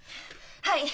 はい！